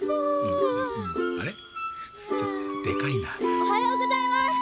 おはようございます！